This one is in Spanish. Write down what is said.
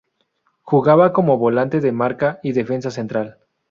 Jugaba como volante de marca y defensa central.